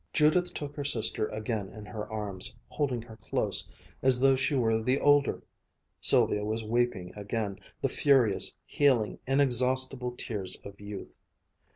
Judith took her sister again in her arms, holding her close, as though she were the older. Sylvia was weeping again, the furious, healing, inexhaustible tears of youth.